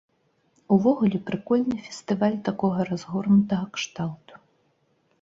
Увогуле, прыкольны фестываль такога разгорнутага кшталту.